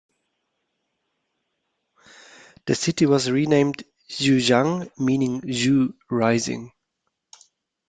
The city was renamed "Xuchang", meaning "Xu Rising".